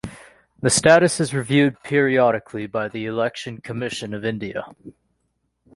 The status is reviewed periodically by the Election Commission of India.